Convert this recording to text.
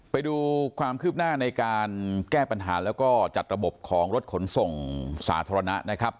ไปดูความคืบหน้าในการแก้ปัญหาแล้วก็จัดระบบของรถขนส่งสาธารณะนะครับ